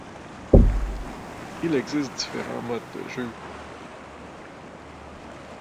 Il existe différents mode de jeu.